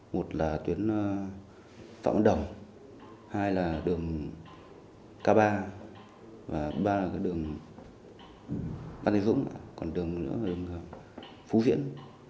một là tuyến phạm văn đồng hai là đường k ba và ba là đường ban tây dũng còn đường nữa là đường phú viễn